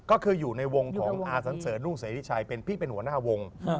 ก็คืออยู่ในวงของอาสันเสริญนุ่งเสริชัยเป็นพี่เป็นหัวหน้าวง